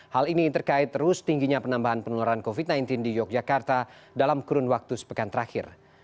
hal ini terkait terus tingginya penambahan penularan covid sembilan belas di yogyakarta dalam kurun waktu sepekan terakhir